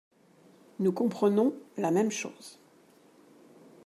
Nous comprenons la même chose